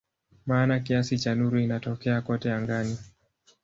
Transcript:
Maana kiasi cha nuru inatokea kote angani.